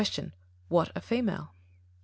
What a female? A.